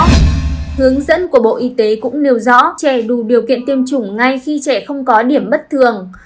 hướng dẫn của bộ y tế cũng nêu rõ trẻ đủ điều kiện tiêm chủng ngay khi trẻ không có điểm bất thường